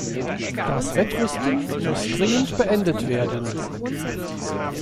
Das Wettrüsten muss dringend beendet werden.